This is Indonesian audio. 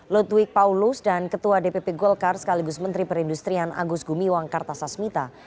ludwig paulus dan ketua dpp golkar sekaligus menteri perindustrian agus gumiwang kartasasmita